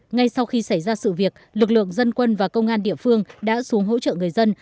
ngay sau khi xảy ra sự việc lực lượng dân quân và công an địa phương đã xuống hỗ trợ người dân